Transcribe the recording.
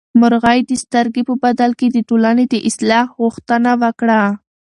مرغۍ د سترګې په بدل کې د ټولنې د اصلاح غوښتنه وکړه.